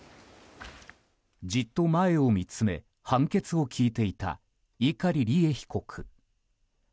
じっと前を見つめ判決を聞いていた碇利恵被告。